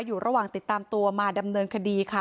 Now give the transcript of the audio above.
อยู่ระหว่างติดตามตัวมาดำเนินคดีค่ะ